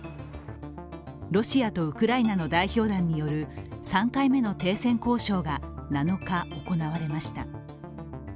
ロシアとウクライナの代表団による３回目の停戦交渉が７日、行われました。